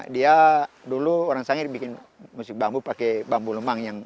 dia dulu orang saya dibikin musik bambu pakai bambu lemang